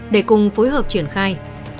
để cùng phối hợp triển khai